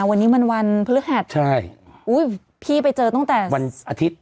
วันนี้มันวันพฤหัสใช่อุ้ยพี่ไปเจอตั้งแต่วันอาทิตย์